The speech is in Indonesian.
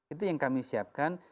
itu yang kami siapkan